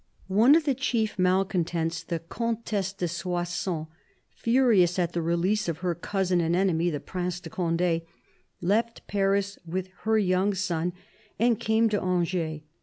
One of the chief malcontents, the Comtesse de Soissons, furious at the release of her cousin and enemy, the Prince de Conde, left Paris with her young son and came to Angers.